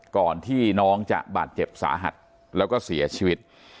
ก่อนที่น้องจะบาดเจ็บสาหัสแล้วก็เสียชีวิต